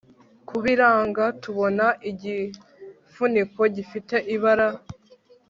kubiranga, tubona igifuniko gifite ibara